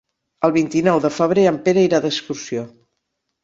El vint-i-nou de febrer en Pere irà d'excursió.